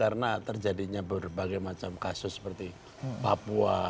karena terjadinya berbagai macam kasus seperti papua